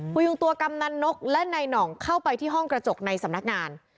ยุงตัวกำนันนกและนายหน่องเข้าไปที่ห้องกระจกในสำนักงาน